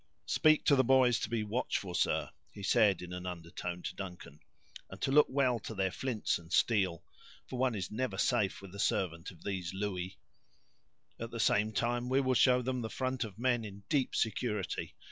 "Speak to the boys to be watchful, sir," he said, in an undertone, to Duncan; "and to look well to their flints and steel, for one is never safe with a servant of these Louis's; at the same time, we shall show them the front of men in deep security.